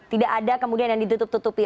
tidak ada kemudian yang ditutup tutupi